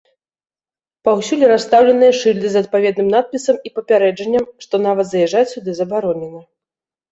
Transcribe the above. Паўсюль расстаўленыя шыльды з адпаведным надпісам і папярэджаннем, што нават заязджаць сюды забаронена.